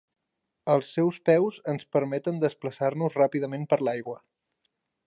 Els seus peus ens permeten desplaçar-nos ràpidament per l'aigua.